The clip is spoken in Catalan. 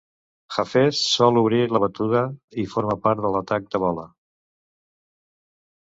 Hafeez sol obrir la batuda i forma part de l'atac de bola.